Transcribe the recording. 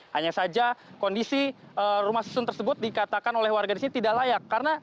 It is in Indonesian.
hanya saja kondisi rumah susun tersebut dikatakan oleh warga di sini tidak layak